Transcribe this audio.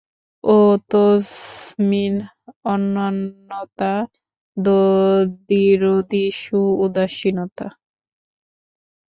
ওঁ তস্মিন অনন্যতা তদ্বিরোধিষু উদাসীনতা।